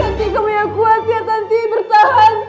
tanti kamu yang kuat ya tanti bersahan